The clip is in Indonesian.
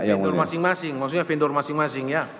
vendor masing masing maksudnya vendor masing masing ya